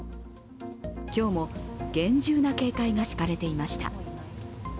今日も厳重な警戒が敷かれていました。